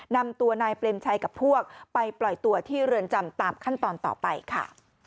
นำตัวนายเปรมชัยกับพวกไปปล่อยตัวที่เรือนจำตามขั้นตอนต่อไปค่ะ